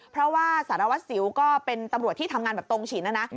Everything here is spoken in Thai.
เพราะว่าสารวัตรสิวก็เป็นตำรวจที่ทำงานแบบตรงฉินนะนะ